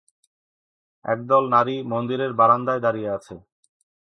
এক দল নারী মন্দিরের বারান্দায় দাঁড়িয়ে আছে।